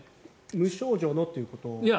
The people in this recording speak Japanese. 無症状のということですか？